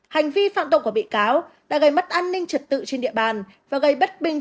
hành vi phạm tội của bị cáo đã gây mất an ninh trật tự trên địa bàn và gây bất bình